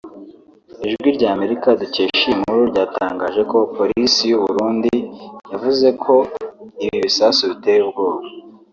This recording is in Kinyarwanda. Ijwi rya Amerika dukesha iyi nkuru ryatangaje ko Polisi y’u Burundi yavuze ko ibi bisasu biteye ubwoba